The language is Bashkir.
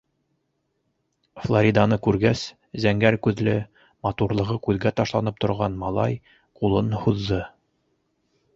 Флориданы күргәс, зәңгәр күҙле, матурлығы күҙгә ташланып торған малай ҡулын һуҙҙы: